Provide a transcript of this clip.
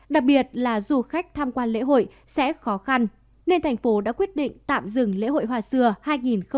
đặc biệt là du khách tham quan lễ hội sẽ khó khăn nên thành phố đã quyết định tạm dừng lễ hội hoa xưa hai nghìn hai mươi bốn